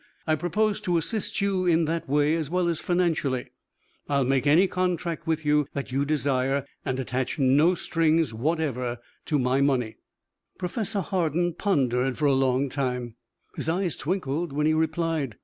I propose to assist you in that way, as well as financially. I will make any contract with you that you desire and attach no strings whatever to my money." Professor Hardin pondered for a long time. His eyes twinkled when he replied.